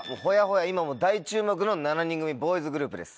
今大注目の７人組ボーイズグループです。